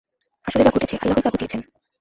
আসলে যা ঘটেছে আল্লাহই তা ঘটিয়েছেন।